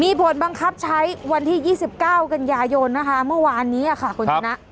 มีผลบังคับใช้วันที่๒๙กันยายนนะคะเมื่อวานนี้ค่ะคุณชนะ